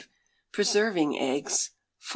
Preserving Eggs (4).